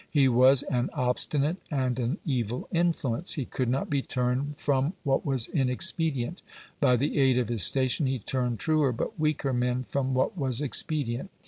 He was an obstinate and an evil influence; he could not be turned from what was inexpedient; by the aid of his station he turned truer but weaker men from what was expedient.